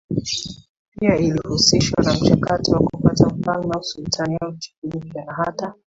pia ilihusishwa na mchakato wa kupata Mfalme au Sultan au Chifu mpya na hata